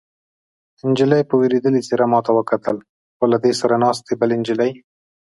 نجلۍ په وېرېدلې څېره ما ته وکتل، خو له دې سره ناستې بلې نجلۍ.